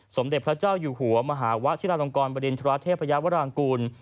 สมเด็จพระเจ้าอยู่หัวมหาวะชิลาลงกรบริณฑราเทพยาวรางกูล